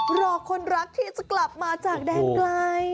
รอคนรักที่จะกลับมาจากแดนไกล